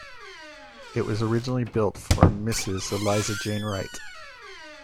It was originally built for Mrs Eliza Jane Wright.